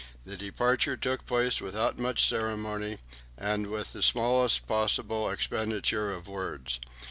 The departure took place without much ceremony, and with the smallest possible expenditure of words.